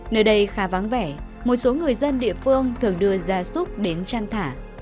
nơi đây khá vắng vẻ một số người dân địa phương thường đưa gia súc đến chăn thả